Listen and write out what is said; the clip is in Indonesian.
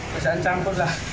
masih malu ya